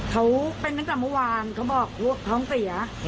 เขาเป็นตั้งแต่เมื่อวานเขาบอกท้องเสีย